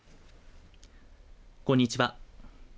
こんにちは。